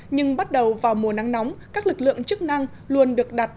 nhưng bắt đầu vào mùa nắng nóng các lực lượng chức năng luôn được đặt